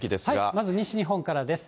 まず西日本からです。